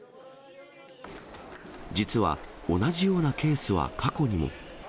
実は、同じようなケースは過去にも。